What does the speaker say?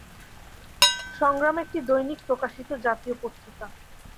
সংগ্রাম একটি দৈনিক প্রকাশিত জাতীয় পত্রিকা।